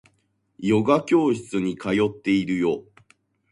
ヨガ教室に通っているよ